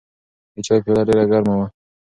د چای پیاله ډېره ګرمه وه.